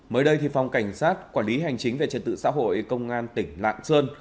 mới đây phòng cảnh sát quản lý hành chính về trật tự xã hội công an tỉnh lạng sơn